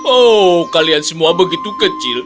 oh kalian semua begitu kecil